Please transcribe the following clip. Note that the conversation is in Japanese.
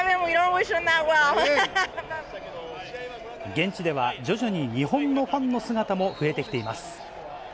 現地では、徐々に日本のファンの姿も増えてきています。